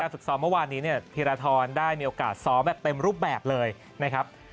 ฝึกซ้อมเมื่อวานนี้ธีรทรได้มีโอกาสซ้อมแบบเต็มรูปแบบเลยนะครับ